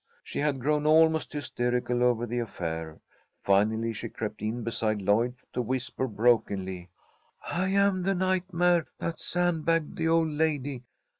She had grown almost hysterical over the affair. Finally she crept in beside Lloyd to whisper, brokenly: "I am the nightmare that sandbagged the old lady.